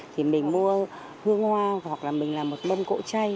thì mình mua hương hoa hoặc là mình làm một mâm cỗ chay